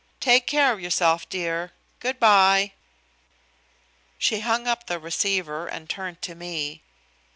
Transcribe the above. Take care of yourself, dear. Good by." She hung up the receiver and turned to me.